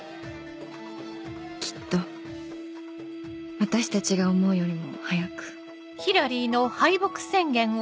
「きっと私たちが思うよりも早く」